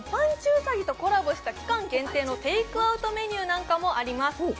うさぎとコラボした期間限定のテイクアウトメニューもあります。